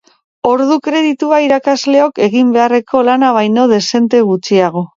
Ordu kreditua irakasleok egin beharreko lana baino dexente gutxiago.